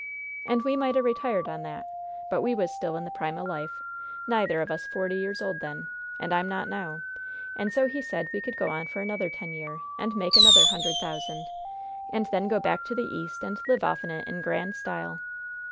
"And we might 'a' retired on that, but we was still in the prime o' life, nyther of us forty years old then and I'm not now and so he said we could go on for another ten year and make another hundred thousand, and then go back to the East and live offen it in grand style.